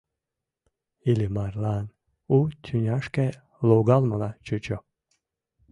Иллимарлан у тӱняшке логалмыла чучо.